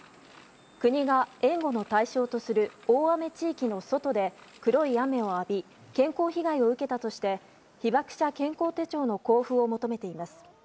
国が援護の対象とする大雨地域の外で黒い雨を浴び健康被害を受けたとして被爆者健康手帳の交付を求めています。